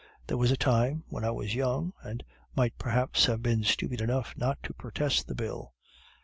There was a time, when I was young, and might perhaps have been stupid enough not to protest the bill.